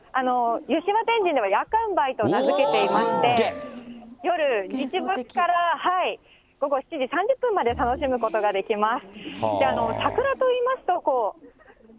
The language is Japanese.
湯島天神では、夜神梅と名付けていまして、夜、日没から午後７時３０分まで楽しむことができます。